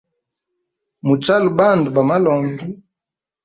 Muchale bandu ba malombi.